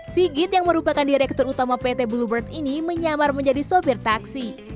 sigit yang merupakan direktur utama pt bluebird ini menyamar menjadi sopir taksi